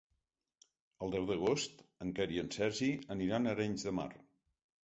El deu d'agost en Quer i en Sergi aniran a Arenys de Mar.